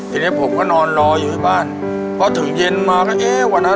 ทีนี้ผมก็นอนรออยู่บ้านเพราะถึงเย็นมาก็แอ้วอะนะ